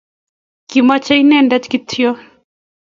Kimachin inyendet kityo